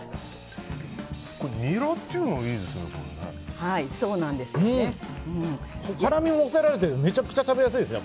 ニラっていうのがいいですね。